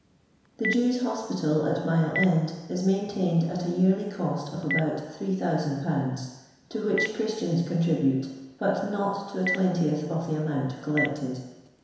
The Jews' Hospital, at Mile End, is maintained at a yearly .cost of about 3000/., to which Christians contribute, but not to a twentieth of the amount collected.